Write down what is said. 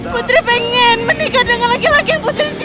putri pengen menikah dengan laki laki yang putri cintai